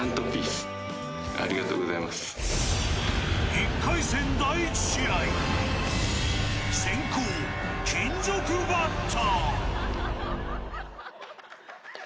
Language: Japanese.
１回戦、第１試合先攻、金属バット。